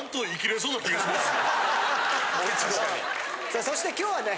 さあそして今日はね。